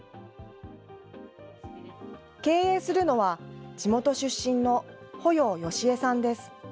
経営するのは、地元出身の保要佳江さんです。